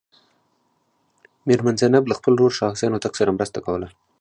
میرمن زینب له خپل ورور شاه حسین هوتک سره مرسته کوله.